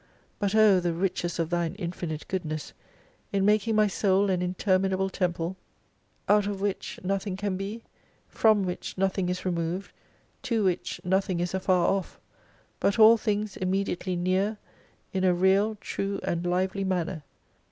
But O the riches of thine infinite goodness in making my Soul an interminable Temple, out of which nothing can be, from which nothing is removed, to which nothing is afar off ; but all things immediately near, in a real, true, and lively manner.